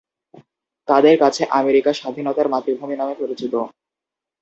তাদের কাছে, আমেরিকা "স্বাধীনতার মাতৃভূমি" নামে পরিচিত।